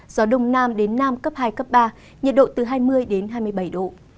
gió đông nam đến nam cấp hai ba nhiệt độ từ hai mươi hai mươi bảy độ